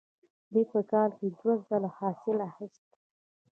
دوی په کال کې دوه ځله حاصل اخیست.